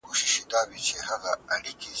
موږ باید د خپلو کلتوري اهدافو لپاره مبارزه وکړو.